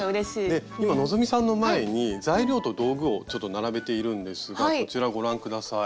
で今希さんの前に材料と道具をちょっと並べているんですがこちらご覧下さい。